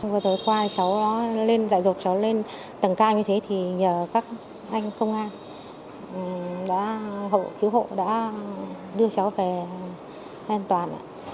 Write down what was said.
vừa rồi qua cháu lên dạy dục cháu lên tầng ca như thế thì nhờ các anh công an đã cứu hộ đã đưa cháu về an toàn